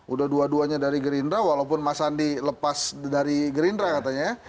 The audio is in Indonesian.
udah dua duanya dari gerindra walaupun mas andi lepas dari gerindra katanya ya